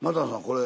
これ。